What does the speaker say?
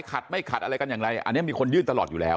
ขัดไม่ขัดอะไรกันอย่างไรอันนี้มีคนยื่นตลอดอยู่แล้ว